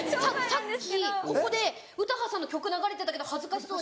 さっきここで詩羽さんの曲流れてたけど恥ずかしそうに。